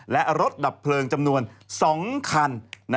และรถดับเพลิงจำนวน๒คัน